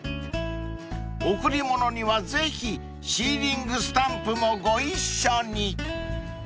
［贈り物にはぜひシーリングスタンプもご一緒に］